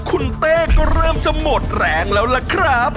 คุณเต้ก็เริ่มจะหมดแรงแล้วล่ะครับ